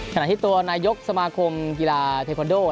ขณะที่ตัวนายกสมาคมกีฬาเทคอนโด